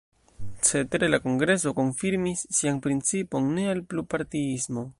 Cetere la kongreso konfirmis sian principon: ne al plurpartiismo.